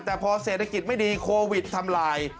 แต่พอเศรษฐกิจไม่ดีโควิดทำลาย